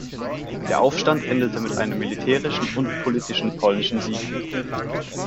Der Aufstand endete mit einem militärischen und politischen polnischen Sieg.